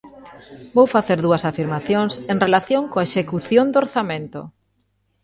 Vou facer dúas afirmacións en relación coa execución do orzamento.